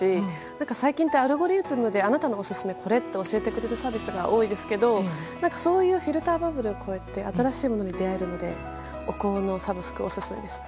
最近ってアルゴリズムであなたのオススメはこれって教えてくれるサービスが多いですけどこれは、そういうフィルターバブルを超えて新しいものに出会えるのでお香のサブスク、オススメです。